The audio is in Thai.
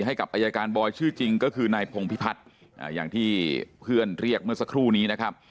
ให้กับอายการบอยชื่อจริงก็คือนายพงพิพัฒน์อย่างที่เพื่อนเรียกเมื่อสักครู่นี้นะครับ